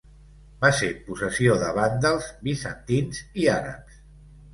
Va ser possessió de vàndals, bizantins i àrabs.